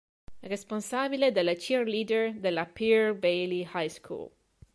Responsabile delle cheerleader della Pearl Bailey High School.